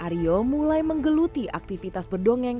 aryo mulai menggeluti aktivitas berdongeng